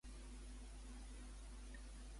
Em visito amb el reumatòleg el dimecres.